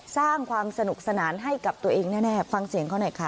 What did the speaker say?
สร้างความสนุกสนานให้กับตัวเองแน่ฟังเสียงเขาหน่อยค่ะ